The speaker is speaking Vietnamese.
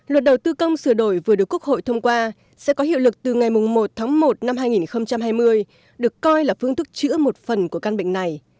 luật đầu tư công sửa đổi vừa được quốc hội thông qua sẽ có hiệu lực từ ngày một tháng một năm hai nghìn hai mươi được coi là phương thức chữa một phần của căn bệnh này